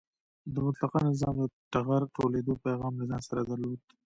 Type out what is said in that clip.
د مطلقه نظام د ټغر ټولېدو پیغام له ځان سره درلود.